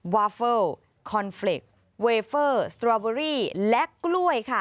วาเฟิลคอนเฟรกต์เวเฟอร์สตรอเบอรี่และกล้วยค่ะ